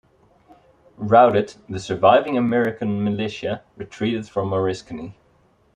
Routed, the surviving American militia retreated from Oriskany.